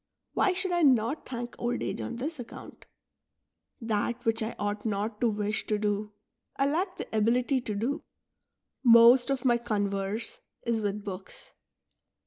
Why should I not thank old age on this account ? That which I ought not to wish to do, I lack the ability to do. Most of my converse is with books.